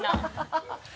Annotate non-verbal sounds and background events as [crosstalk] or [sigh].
ハハハ [laughs]